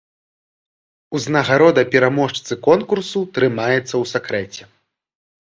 Узнагарода пераможцы конкурсу трымаецца ў сакрэце.